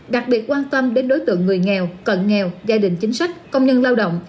đặc biệt quan tâm đến đối tượng người nghèo cận nghèo gia đình chính sách công nhân lao động